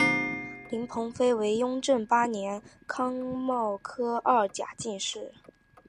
林鹏飞为雍正八年庚戌科二甲进士。